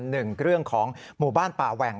หนึ่งเรื่องของหมู่บ้านป่าแหว่ง